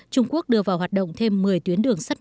trung quốc đưa vào hoạt động thêm một mươi tuyến đường sắt